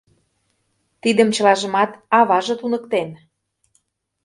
Тидым чылажымат аваже туныктен.